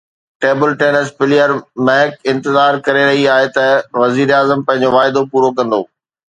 table tennis player Mehak انتظار ڪري رهي آهي ته وزيراعظم پنهنجو واعدو پورو ڪندو